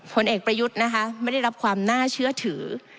ผลเอกประยุทธ์นะคะไม่ได้รับความน่าเชื่อถือ